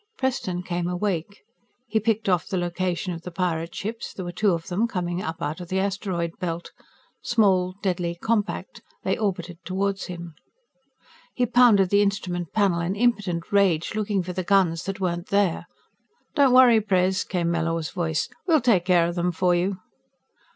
_" Preston came awake. He picked off the location of the pirate ships there were two of them, coming up out of the asteroid belt. Small, deadly, compact, they orbited toward him. He pounded the instrument panel in impotent rage, looking for the guns that weren't there. "Don't worry, Pres," came Mellors' voice. "We'll take care of them for you."